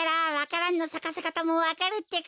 蘭のさかせかたもわかるってか？